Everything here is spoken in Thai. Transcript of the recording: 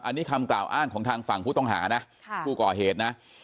อันนี้คำกล่าวอ้างของทางฝั่งผู้ต้องหานะผู้ก่อเหตุนะ